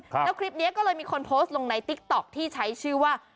แล้วคลิปนี้ก็เลยมีคนโพสต์ลงในติ๊กต๊อกที่ใช้ชื่อว่า